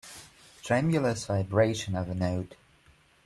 Tremulous vibration of a note